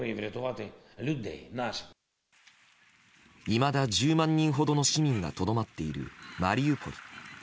いまだ１０万人ほどの市民がとどまっているマリウポリ。